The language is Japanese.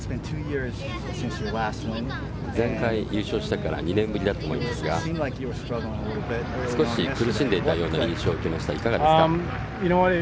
前回優勝してから２年ぶりだと思いますが少し苦しんでいたような印象を受けましたがいかがですか。